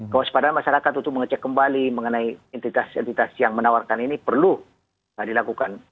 kewaspadaan masyarakat untuk mengecek kembali mengenai entitas entitas yang menawarkan ini perlu dilakukan